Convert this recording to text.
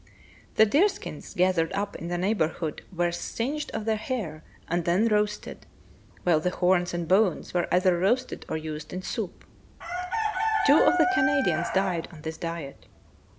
The deerskins gathered up in the neighborhood were singed of their hair and then roasted, while the horns and bones were either roasted or used in soup. Two of the Canadians died on this diet.